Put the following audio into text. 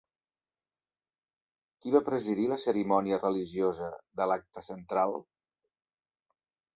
Qui va presidir la cerimònia religiosa de l'acte central?